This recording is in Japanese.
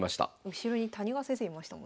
後ろに谷川先生いましたもんね。